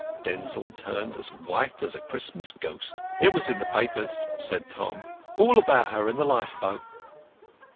Denzil turned as white as a Christmas ghost. "It was in the papers," said Tom; "all about her and the lifeboat."